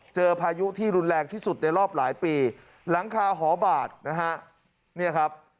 พายุที่รุนแรงที่สุดในรอบหลายปีหลังคาหอบาดนะฮะเนี่ยครับ